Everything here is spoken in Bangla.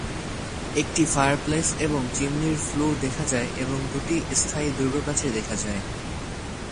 একটি ফায়ারপ্লেস এবং চিমনির ফ্লু দেখা যায় এবং দুটি স্থায়ী দুর্গ প্রাচীর দেখা যায়।